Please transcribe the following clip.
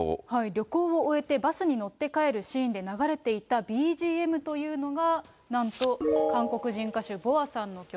旅行を終えてバスに乗って帰るシーンで流れていたＢＧＭというのが、なんと、韓国人歌手、ＢｏＡさんの曲。